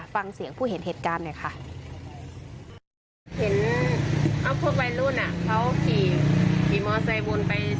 ฟังเสียงผู้เห็นเหตุการณ์หน่อยค่ะ